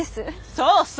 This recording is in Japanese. そうそう。